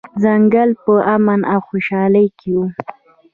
ځنګل په امن او خوشحالۍ کې و.